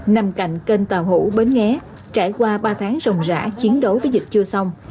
nằm cạnh kênh tàu hủ bến nghé trải qua ba tháng rồng rã chiến đấu với dịch chưa xong